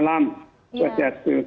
selamat malam suastiastu